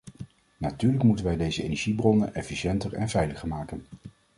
Natuurlijk moeten wij deze energiebronnen efficiënter en veiliger maken.